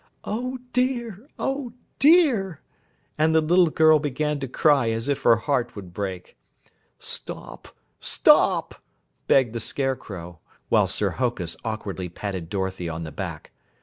"Oh, dear! Oh, dear!" And the little girl began to cry as if her heart would break. "Stop! Stop!" begged the Scarecrow, while Sir Hokus awkwardly patted Dorothy on the back.